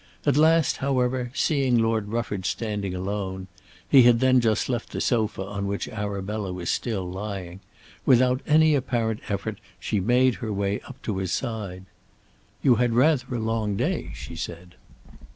At last, however, seeing Lord Rufford standing alone, he had then just left the sofa on which Arabella was still lying, without any apparent effort she made her way up to his side. "You had rather a long day," she said.